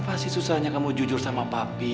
apa sih susahnya kamu jujur sama papi